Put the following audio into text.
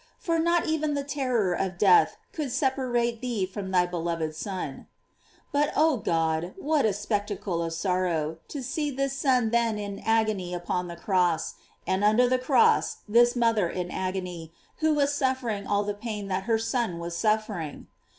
for not even the terror of death could separate thee from thy beloved Son.J But, oh God, what a spectacle of sorrow, to see this Son then in agony upon the cross, and under the crosi this mother in agony, who was suffering all the pain that her Son was suffering!